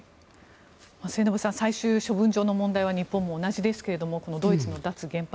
末延さん最終処分場の問題は日本も同じですがドイツの脱原発